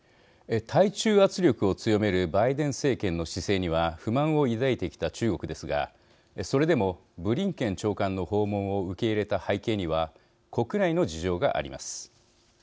対中圧力を強めるバイデン政権の姿勢には不満を抱いてきた中国ですがそれでもブリンケン長官の訪問を受け入れた背景には国内の事情があります。